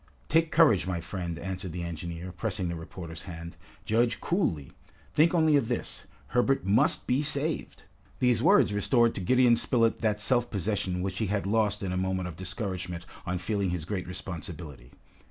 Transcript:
"Take courage, my friend," answered the engineer, pressing the reporter's hand. "Judge coolly. Think only of this: Herbert must be saved!" These words restored to Gideon Spilett that self possession which he had lost in a moment of discouragement on feeling his great responsibility.